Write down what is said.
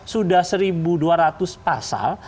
sudah seribu dua ratus pasal